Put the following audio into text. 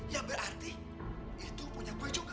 ya berarti itu punya gue juga